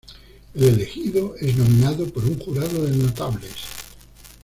El elegido es nominado por un jurado de notables.